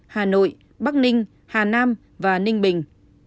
hà nội bắc ninh hà nam và ninh bình